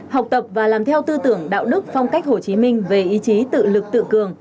học tập và làm theo tư tưởng đạo đức phong cách hồ chí minh về ý chí tự lực tự cường